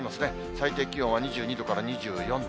最低気温は２２度から２４度。